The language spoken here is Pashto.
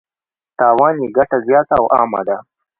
تاوان یې ګټه زیاته او عامه ده.